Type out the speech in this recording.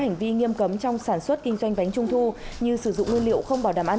hành vi nghiêm cấm trong sản xuất kinh doanh bánh trung thu như sử dụng nguyên liệu không bảo đảm an